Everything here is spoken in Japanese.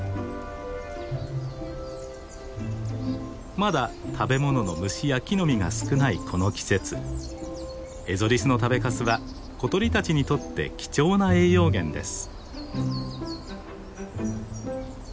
まだ食べ物の虫や木の実が少ないこの季節エゾリスの食べかすは小鳥たちにとって貴重な栄養源です。